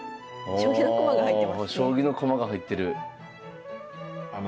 将棋の駒が入ってる。